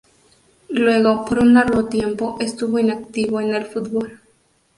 Luego por un largo tiempo estuvo inactivo en el fútbol.